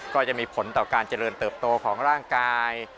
ก็จะมีผลต่อการเจริญเติบโตของร่างกาย